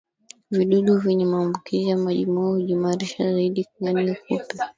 Vijidudu vyenye maambukizi ya majimoyo hujiimarisha zaidi ndani ya kupe